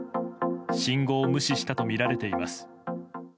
信号を無視したとみられています。